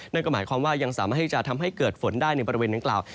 นั่นก็หมายความว่ายังสามารถที่จะทำให้เกิดฝนได้ในบริเวณดังกล่าว